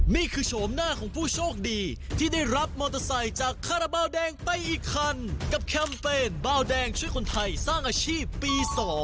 โฉมหน้าของผู้โชคดีที่ได้รับมอเตอร์ไซค์จากคาราบาลแดงไปอีกคันกับแคมเปญเบาแดงช่วยคนไทยสร้างอาชีพปี๒